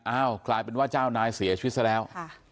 กลายเป็นว่าเจ้านายเสียชีวิตซะแล้ว